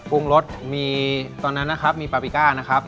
ปรุงรสมีตอนนั้นนะครับมีปาปิก้านะครับ